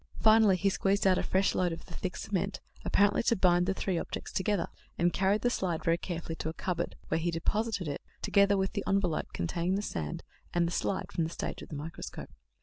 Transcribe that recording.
Finally he squeezed out a fresh load of the thick cement, apparently to bind the three objects together, and carried the slide very carefully to a cupboard, where he deposited it, together with the envelope containing the sand and the slide from the stage of the microscope.